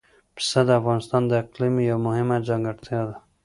پسه د افغانستان د اقلیم یوه مهمه ځانګړتیا ده.